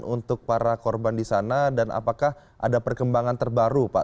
untuk para korban di sana dan apakah ada perkembangan terbaru pak